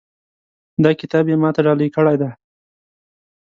دا کتاب یې ما ته ډالۍ کړی ده